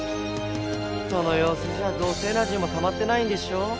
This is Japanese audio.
そのようすじゃどうせエナジーもたまってないんでしょ。